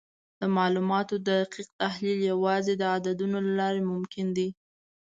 د معلوماتو دقیق تحلیل یوازې د عددونو له لارې ممکن دی.